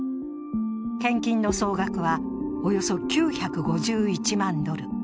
献金の総額はおよそ９５１万ドル。